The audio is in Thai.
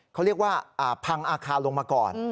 เขาเรียกว่าพังอาคารลงมาก่อน